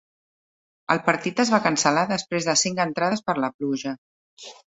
El partit es va cancel·lar després de cinc entrades per la pluja.